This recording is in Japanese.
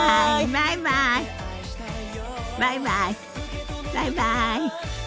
バイバイバイバイ。